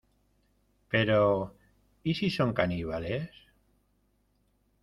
Pero... ¿ y si son caníbales? .